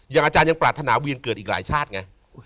อย่างอาจารย์ยังปรารถนาเวียนเกิดอีกหลายชาติไง